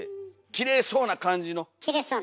きれいそうな感じのね。